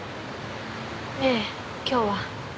ええ今日は。